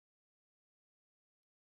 队长为伊丹耀司。